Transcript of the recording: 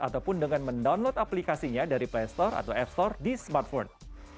ataupun dengan mendownload aplikasinya dari play store atau app store di smartphone